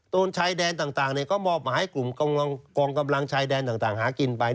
ชายแดนต่างก็มอบหมายให้กลุ่มกองกำลังชายแดนต่างหากินไป